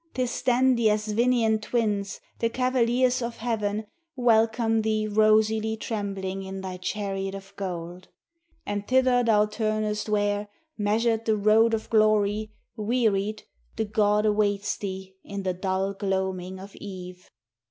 'Tis then the Asvinian Twins, the cavaliers of heaven, Welcome thee rosily trembling in thy chariot of gold, And thither thou turnest where, measured the road of glory, Wearied, the god awaits thee in the dull gloaming of eve.